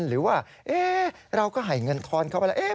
หรือว่าเราก็ให้เงินทอนเข้าไปแล้ว